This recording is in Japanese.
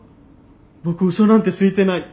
僕うそなんてついてない。